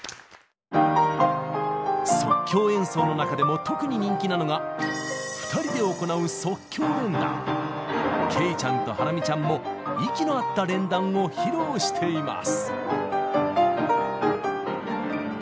即興演奏の中でも特に人気なのが２人で行うけいちゃんとハラミちゃんも息の合った連弾を披露しています。